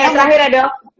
yang terakhir ya dok